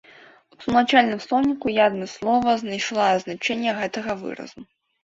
У тлумачальным слоўніку я адмыслова знайшла значэнне гэтага выразу.